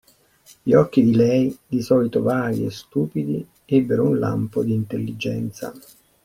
Gli occhi di lei, di solito vaghi e stupidi, ebbero un lampo di intelligenza.